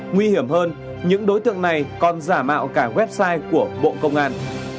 nguy hiểm hơn những đối tượng này còn giả mạo cả website của bộ công an